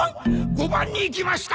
５番に行きました！